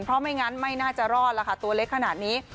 เพราะไม่งั้นไม่น่าจะรอดแล้วค่ะตัวเล็กขนาดนี้